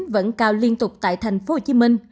vẫn cao liên tục tại tp hcm